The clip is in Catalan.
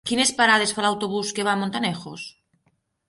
Quines parades fa l'autobús que va a Montanejos?